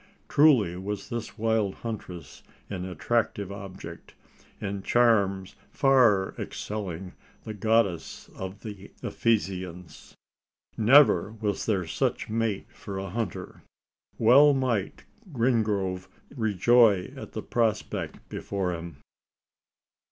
Truly was this wild huntress an attractive object in charms far excelling the goddess of the Ephesians. Never was there such mate for a hunter! Well might Wingrove rejoice at the prospect before him!